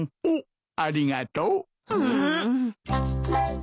おっありがとう。